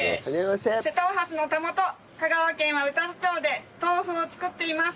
瀬戸大橋のたもと香川県は宇多津町で豆腐を作っています。